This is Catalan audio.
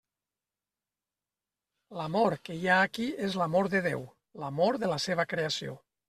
L'amor que hi ha aquí és l'amor de Déu, l'amor de la seva creació.